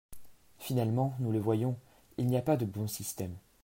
Finalement, nous le voyons, il n’y a pas de bon système.